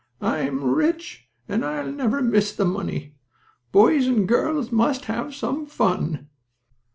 I am rich, and I'll never miss the money. Boys and girls must have some fun."